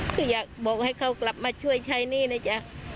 คืออยากบอกให้เขากลับมาช่วยใช้หนี้นะจ๊ะ